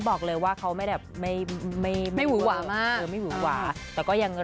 บอกเลยว่าเขาไม่แบบไม่ไม่ไม่หูหวามาไม่หูหวาแต่ก็ยัง